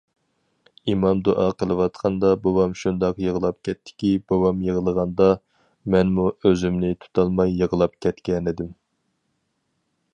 ئىمام دۇئا قىلىۋاتقاندا بوۋام شۇنداق يىغلاپ كەتتىكى... بوۋام يىغلىغاندا، مەنمۇ ئۆزۈمنى تۇتالماي يىغلاپ كەتكەنىدىم.